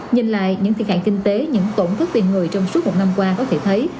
nhìn lại những thiệt hại kinh tế những tổn thất về người trong suốt một năm qua có thể thấy